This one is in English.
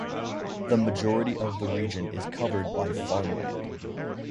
The majority of the region is covered by farmland.